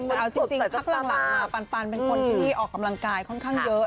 เอาจริงพักหลังมาปันเป็นคนที่ออกกำลังกายค่อนข้างเยอะ